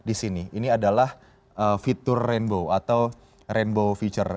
ini adalah fitur rainbow atau rainbow feature